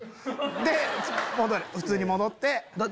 で普通に戻って。